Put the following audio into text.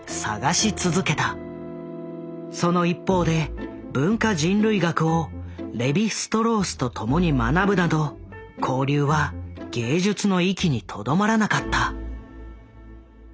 その一方で文化人類学をレヴィ＝ストロースと共に学ぶなど交流は芸術の域にとどまらなかった。